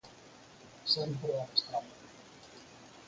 Sempre adestrando.